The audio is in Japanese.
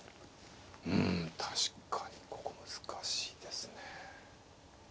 うん確かにここ難しいですね。